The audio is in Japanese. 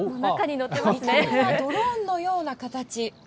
見た目はドローンのような形。